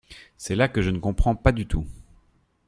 C’est là que je ne comprends pas du tout.